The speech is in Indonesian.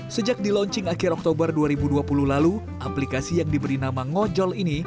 sejak di launching akhir oktober dua ribu dua puluh lalu aplikasi yang diberi nama ngojol ini